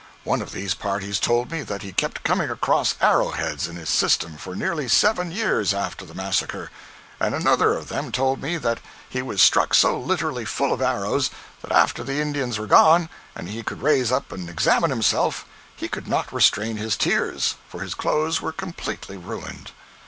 One of these parties told me that he kept coming across arrow heads in his system for nearly seven years after the massacre; and another of them told me that he was struck so literally full of arrows that after the Indians were gone and he could raise up and examine himself, he could not restrain his tears, for his clothes were completely ruined.